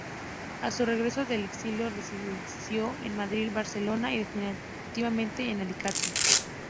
A su regreso del exilio residió en Madrid, Barcelona y definitivamente en Alicante.